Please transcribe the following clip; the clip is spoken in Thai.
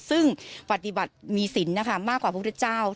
ซึ่งปฏิบัติมีศิลป์นะคะมากกว่าพระพุทธเจ้า